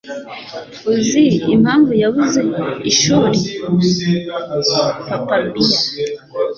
Uzi impamvu yabuze ishuri? (papabear)